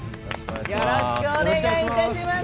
よろしくお願いします。